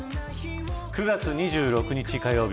９月２６日火曜日